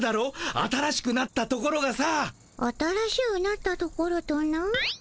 新しくなったところがさ。